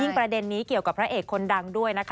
ประเด็นนี้เกี่ยวกับพระเอกคนดังด้วยนะคะ